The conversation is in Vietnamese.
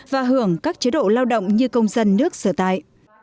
và hưởng các chế độ lao động như công dân nước sửa tài